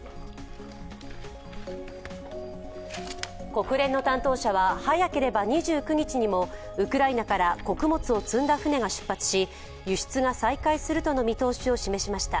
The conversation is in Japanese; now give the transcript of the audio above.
国連の担当者は早ければ２９日にもウクライナから穀物を積んだ船が出発し輸出が再開するとの見通しを示しました。